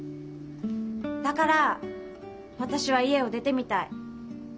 だから私は家を出てみたい。